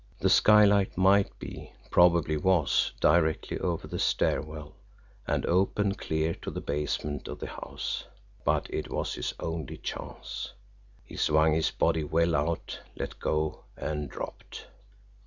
The skylight might be, probably was, directly over the stair well, and open clear to the basement of the house but it was his only chance. He swung his body well out, let go and dropped.